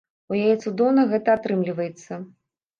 У яе цудоўна гэта атрымліваецца.